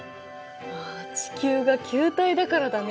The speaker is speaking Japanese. あ地球が球体だからだね。